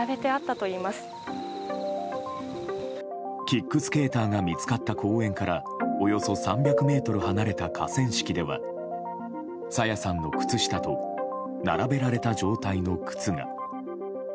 キックスケーターが見つかった公園からおよそ３００ｍ離れた河川敷では朝芽さんの靴下と並べられた状態の靴が。